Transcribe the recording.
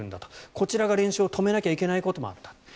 こちらが練習を止めなきゃいけないこともあった。